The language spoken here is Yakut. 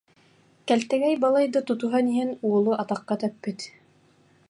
Кэлтэгэй балайда тутуһан иһэн уолу атахха тэппит